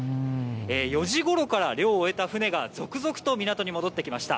４時ごろから漁を終えた船が、続々と港に戻ってきました。